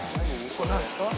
これなんですか？